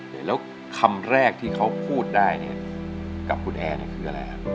แล้วคำแรกที่เขาพูดได้กับคุณแอร์คืออะไร